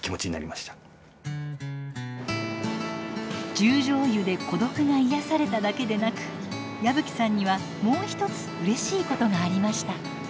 十條湯で孤独が癒やされただけでなく矢吹さんにはもう一つうれしいことがありました。